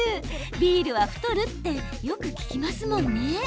「ビールは太る」ってよく聞きますもんね。